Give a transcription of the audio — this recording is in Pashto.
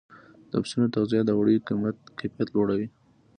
د پسونو تغذیه د وړیو کیفیت لوړوي.